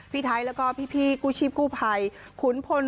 พี่ไทยแล้วก็พี่กู้ชีพกู้ภัยขุนพล